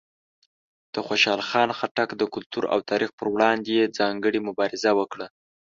د خوشحال خان خټک د کلتور او تاریخ پر وړاندې یې ځانګړې مبارزه وکړه.